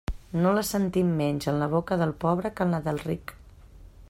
No la sentim menys en la boca del pobre que en la del ric.